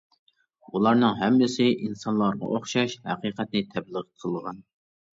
ئۇلارنىڭ ھەممىسى ئىنسانلارغا ئوخشاش ھەقىقەتنى تەبلىغ قىلغان.